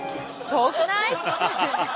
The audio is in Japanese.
遠くない？